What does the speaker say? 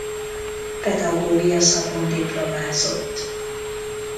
Pedagógia szakon diplomázott.